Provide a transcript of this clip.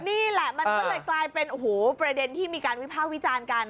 นี่แหละมันก็เลยกลายเป็นโอ้โหประเด็นที่มีการวิภาควิจารณ์กัน